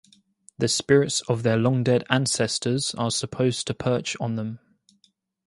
The spirits of their long dead ancestors are supposed to perch on them.